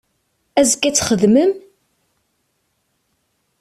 Azekka ad txedmem?